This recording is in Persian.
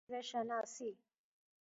زیوه شناسی